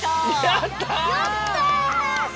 やった！